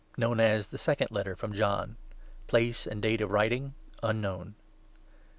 (KNOWN AS 'THE SECOND LETTER FROM JOHN'). [PLACE AND DATE OF WRITING UNKNOWN.